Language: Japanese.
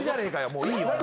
もういいよ。